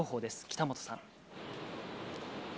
北本さん。